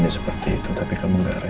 ngantuk ya wajarlah